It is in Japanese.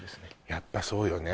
やっぱそうよね